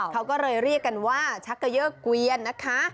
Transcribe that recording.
เขาก็เลยเรียกกันว่าชักเกยอร์เกวียนนะคะ